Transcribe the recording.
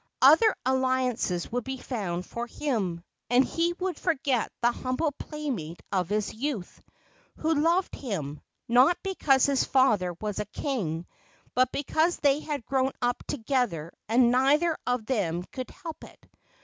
Other alliances would be found for him, and he would forget the humble playmate of his youth, who loved him, not because his father was a king, but because they had grown up together and neither of them could help it.